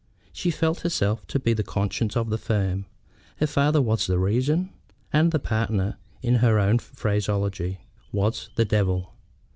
She felt herself to be the Conscience of the firm. Her father was the Reason. And the partner, in her own phraseology, was the Devil.